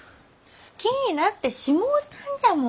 好きになってしもうたんじゃもん。